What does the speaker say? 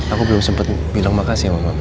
aku belum sempet bilang makasih sama mama